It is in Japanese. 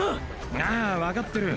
ああわかってる。